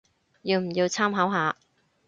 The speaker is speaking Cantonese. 要唔要參考下